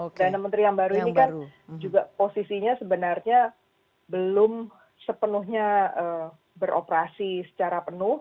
perdana menteri yang baru ini kan juga posisinya sebenarnya belum sepenuhnya beroperasi secara penuh